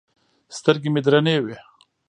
سترګې مې درنې وې.